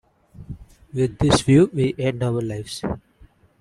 With this view we end our lives.